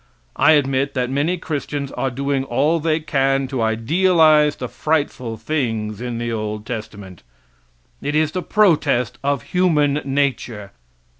I admit that many Christians are doing all they can to idealize the frightful things in the old testament. It is the protest of human nature.